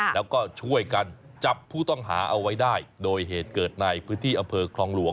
แล้วก็ช่วยกันจับผู้ต้องหาเอาไว้ได้โดยเหตุเกิดในพื้นที่อำเภอคลองหลวง